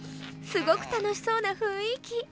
すごく楽しそうな雰囲気。